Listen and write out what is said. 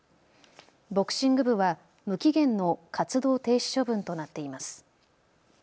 ボクシング部は無期限の活動停止処分となっています。